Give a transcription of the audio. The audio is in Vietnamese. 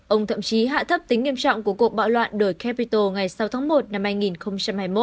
ông thậm chí hạ thấp tính nghiêm trọng của cuộc bạo loạn đổi capital ngày sáu tháng một năm hai nghìn hai mươi một